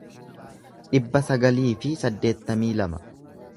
dhibba sagalii fi saddeettamii lama